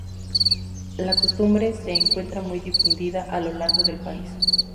La costumbre se encuentra muy difundida a lo largo del país.